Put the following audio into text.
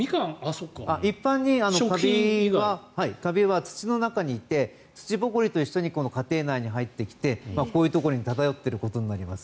一般にカビは土の中にいて、土ぼこりと一緒に家庭内に入ってきてこういうところに漂ってることになります。